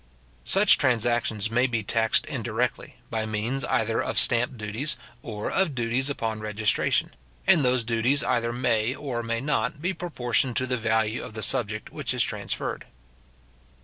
Such transactions may be taxed indirectly, by means either of stamp duties, or of duties upon registration; and those duties either may, or may not, be proportioned to the value of the subject which is transferred.